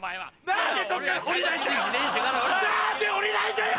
何でそっから降りないんだよ！